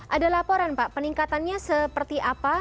ada laporan pak peningkatannya seperti apa